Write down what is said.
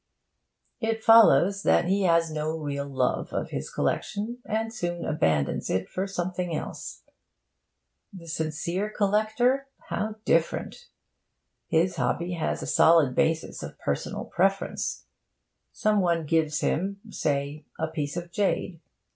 It follows that he has no real love of his collection and soon abandons it for something else. The sincere collector, how different! His hobby has a solid basis of personal preference. Some one gives him (say) a piece of jade.